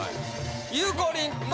ゆうこりんと